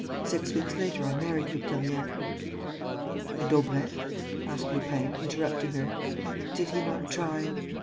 Six weeks later, I married Victorien." "And Daubrecq?" asked Lupin, interrupting her. "Did he not try...."